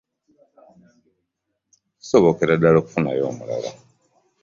Kisobokera ddala okufunayo omulala.